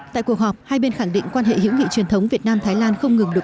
tại cuộc họp hai bên khẳng định quan hệ hữu nghị truyền thống việt nam thái lan không ngừng được